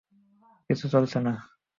কিছু চলছে না।